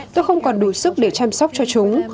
tôi không còn đủ sức để chăm sóc cho chúng